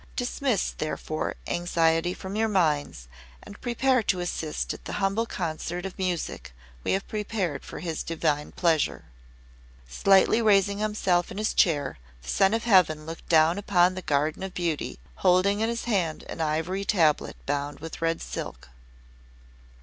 Dismiss, therefore, anxiety from your minds, and prepare to assist at the humble concert of music we have prepared for his Divine pleasure." Slightly raising himself in his chair, the Son of Heaven looked down upon that Garden of Beauty, holding in his hand an ivory tablet bound with red silk.